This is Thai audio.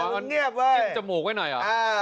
มันเงี๊ยบเว้ยจิ้มจมูกไว้หน่อยอ่ะอ่าอ